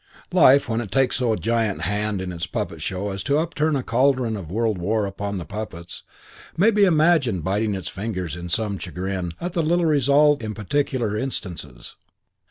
CHAPTER IX I Life, when it takes so giant a hand in its puppet show as to upturn a cauldron of world war upon the puppets, may be imagined biting its fingers in some chagrin at the little result in particular instances.